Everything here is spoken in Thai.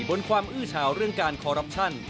บนความอื้อเฉาเรื่องการคอรัปชั่น